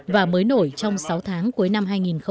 và mới nổi trong sáu tháng cuối năm hai nghìn một mươi sáu